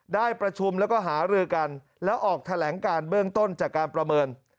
ได้ประชุมแล้วก็หารือกันแล้วออกแถลงการเบื้องต้นจากการประเมิน